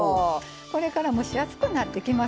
これから蒸し暑くなってきますのでね